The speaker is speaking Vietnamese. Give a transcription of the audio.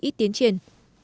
ít tiến triển